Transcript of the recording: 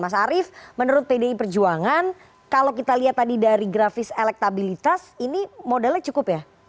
mas arief menurut pdi perjuangan kalau kita lihat tadi dari grafis elektabilitas ini modalnya cukup ya